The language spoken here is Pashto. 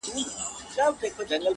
تـا كــړلــه خـــپـــره اشــــنـــــا،